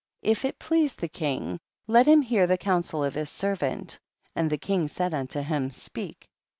If it please the king, let him hear the counsel of his servant ; and the king said unto him, speak.